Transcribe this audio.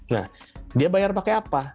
nah dia bayar pakai apa